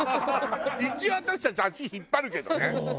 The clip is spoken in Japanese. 一応私たち足引っ張るけどね。